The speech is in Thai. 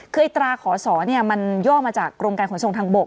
คือตราขอสอมันย่อมาจากกรมการขนส่งทางบก